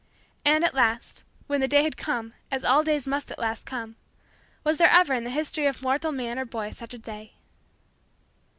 And at last, when the day had come, as all days must at last come, was there ever in the history of mortal man or boy such a day?